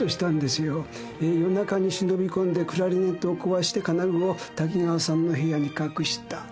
夜中に忍び込んでクラリネットを壊して金具を滝川さんの部屋に隠した。